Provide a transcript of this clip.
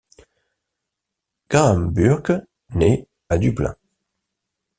Graham Burke naît à Dublin.